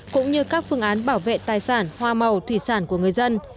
cũng như các phương án bảo vệ tài sản hoa màu thủy sản của người dân